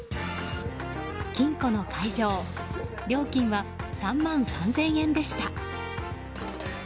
金庫の解錠、料金は３万３０００円でした。